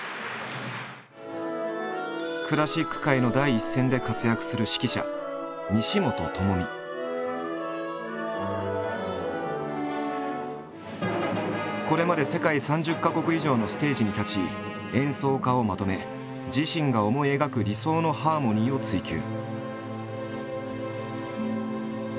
クラシック界の第一線で活躍するこれまで世界３０か国以上のステージに立ち演奏家をまとめ自身が思い描く理想のハーモニーを追求。